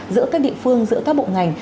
giữa các địa phương giữa các bộ ngành